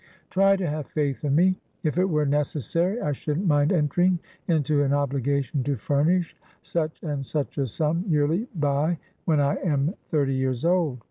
Try to have faith in me. If it were necessary, I shouldn't mind entering into an obligation to furnish such and such a sum yearly by when I am thirty years old.